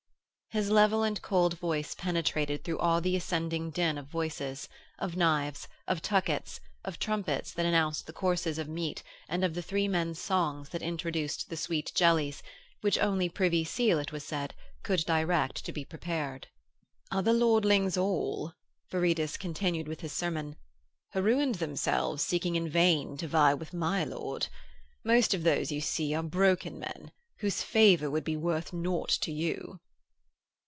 His level and cold voice penetrated through all the ascending din of voices, of knives, of tuckets of trumpets that announced the courses of meat and of the three men's songs that introduced the sweet jellies which only Privy Seal, it was said, could direct to be prepared. 'Other lordings all,' Viridus continued with his sermon, 'ha' ruined themselves seeking in vain to vie with my lord. Most of those you see are broken men, whose favour would be worth naught to you.'